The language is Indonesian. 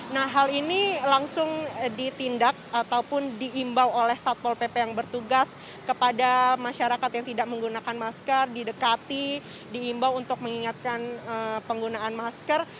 nah hal ini langsung ditindak ataupun diimbau oleh satpol pp yang bertugas kepada masyarakat yang tidak menggunakan masker didekati diimbau untuk mengingatkan penggunaan masker